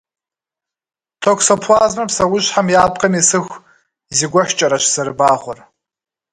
Токсоплазмэр псэущхьэхэм я пкъым исыху зигуэшкӏэрэщ зэрыбагъуэр.